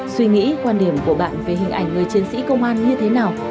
suy nghĩ quan điểm của bạn về hình ảnh người chiến sĩ công an như thế nào